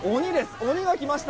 鬼が来ました。